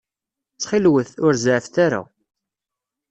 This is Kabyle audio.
Ttxil-wet, ur zeɛɛfet ara.